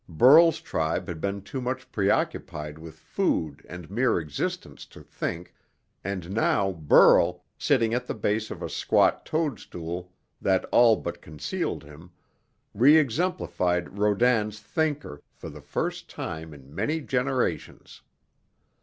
Burl's tribe had been too much preoccupied with food and mere existence to think, and now Burl, sitting at the base of a squat toadstool that all but concealed him, reexemplified Rodin's "Thinker" for the first time in many generations.